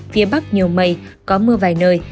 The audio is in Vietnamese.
phía bắc nhiều mây có mưa vài nơi